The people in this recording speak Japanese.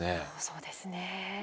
そうですね。